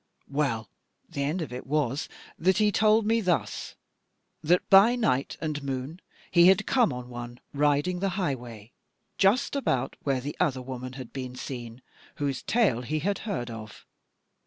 "Well, the end of it was that he told me thus: That by night and moon he came on one riding the highway, just about where the other woman had been seen, whose tale he had heard of.